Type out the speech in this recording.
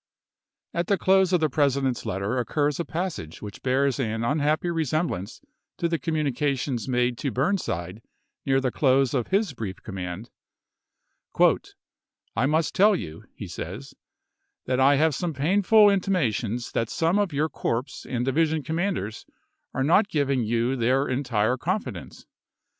At the close of the President's letter occurs a passage which bears an unhappy resemblance to the com munications made to Burnside near the close of his brief command :" I must tell you," he says, " that I have some painful intimations that some of your corps and division commanders are not giving you 200 ABRAHAM LINCOLN ch. viii. their entire confidence.